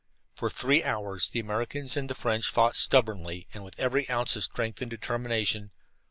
For three hours the Americans and the French fought stubbornly and with every ounce of strength and determination.